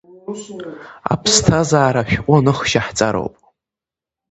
Аԥсҭазаара ашәҟәы аныхшьа ҳҵароуп.